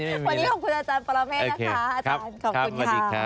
วันนี้ขอบคุณอาจารย์ปรเมฆนะคะอาจารย์ขอบคุณค่ะ